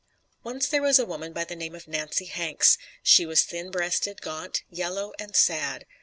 Once there was a woman by the name of Nancy Hanks; she was thin breasted, gaunt, yellow and sad.